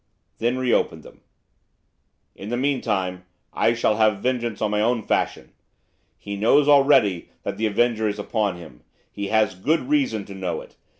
Then reopened them. 'In the meantime I will have vengeance in my own fashion. He knows already that the avenger is upon him, he has good reason to know it.